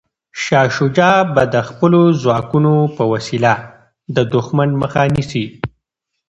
شاه شجاع به د خپلو ځواکونو په وسیله د دښمن مخه نیسي.